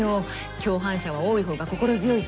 共犯者は多い方が心強いし。